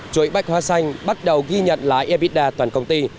chuỗi bách hóa xanh bắt đầu ghi nhận lại ebitda toàn công ty